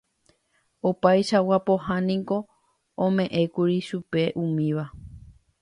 Opaichagua pohã niko ome'ẽkuri chupe umíva